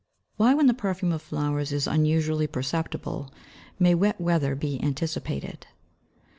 _Why when the perfume of flowers is unusually perceptible may wet weather be anticipated?